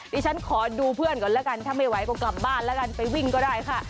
ดิฉันขอดูเพื่อนก่อนแล้วกันถ้าไม่ไหวก็กลับบ้านแล้วกันไปวิ่งก็ได้ค่ะ